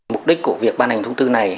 mục đích của việc ban hành thông tư này